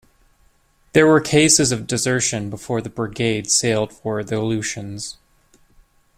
There were cases of desertion before the brigade sailed for the Aleutians.